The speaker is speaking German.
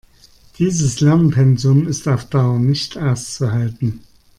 Dieses Lernpensum ist auf Dauer nicht auszuhalten.